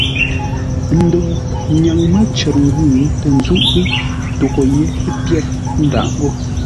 Ndəu nyaŋ mə́ cər ngwʉ̂ tə nzúʼ ghíʼ toghʼə́ yé pyêr, ə́ ndǎʼ ngô.